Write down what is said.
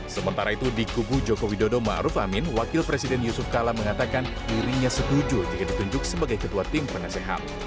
sementara itu di kubu jokowi dodo maruf amin wakil presiden yusuf kala mengatakan dirinya setuju jika ditunjuk sebagai ketua tim penasehat